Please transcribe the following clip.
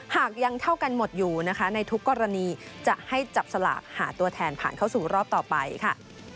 หากยังเท่ากันหมดอยู่นะคะในทุกกรณีจะให้จับสลากหาตัวแทนผ่านเข้าสู่รอบต่อไปค่ะ